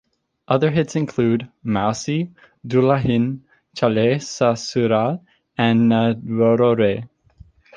Other hits include "Mousie", "Dulahin Chale Sasural" and "Naroro Ray".